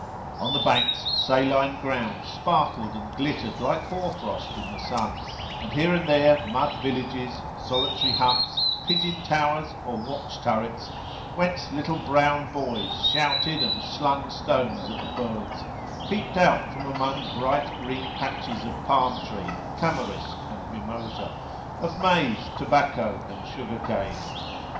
On the banks, saline ground sparkled and glittered like hoar frost in the sun; and here and there mud villages, solitary huts, pigeon towers, or watch turrets, whence litt1e brown boys shouted and slung stones at the birds, peeped out from among bright green patches of palm tree, tamarisk, and mimosa, of maize, tobacco, and sugar cane.